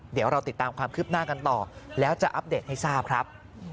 เดี๋ยวเราติดตามความคืบหน้ากันต่อแล้วจะอัปเดตให้ทราบครับ